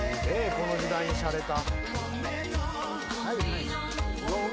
この時代にしゃれた。